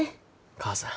母さん。